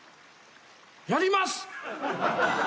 やります！